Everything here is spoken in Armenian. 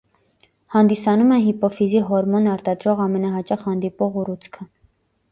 Հանդիսանում է հիպոֆիզի հորմոն արտադրող ամենահաճախ հանդիպող ուռուցքը։